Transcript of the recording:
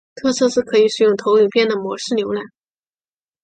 特色是可以使用投影片的模式浏览。